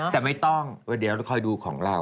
แต่ไม่ต้องเดี๋ยวเราคอยดูของเรา